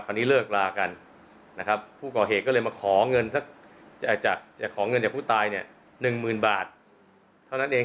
นี้เลิกลากันนะครับผู้ก่อเหตุก็เลยมาขอเงินสักจะขอเงินจากผู้ตายเนี่ย๑๐๐๐บาทเท่านั้นเอง